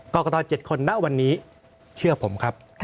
กรกต๗คนณวันนี้เชื่อผมครับ